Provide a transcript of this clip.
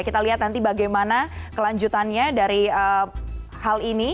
kita lihat nanti bagaimana kelanjutannya dari hal ini